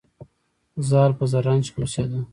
زال په زرنج کې اوسیده